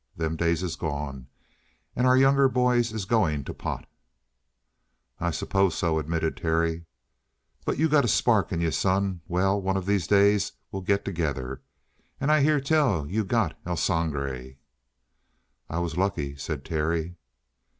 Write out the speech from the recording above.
Them days is gone, and our younger boys is going to pot!" "I suppose so," admitted Terry. "But you got a spark in you, son. Well, one of these days we'll get together. And I hear tell you got El Sangre?" "I was lucky," said Terry.